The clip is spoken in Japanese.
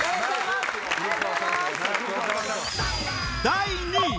第２位！